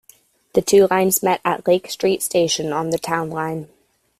The two lines met at Lake Street station on the town line.